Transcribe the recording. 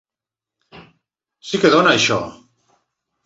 Sí que dóna, això.